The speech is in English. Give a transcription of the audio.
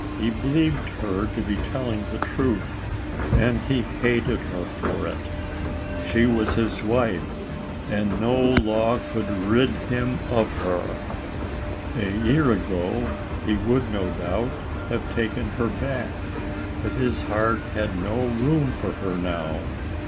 He believed her to be telling the truth, and he hated her for it. She was his wife, and no law 38 ALICE ; OR, THE WAGES OF SIN. could rid him of her. A year ago he would, no doubt, have taken her back, but his heart had no room for her now.